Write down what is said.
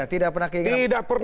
tidak pernah keinginan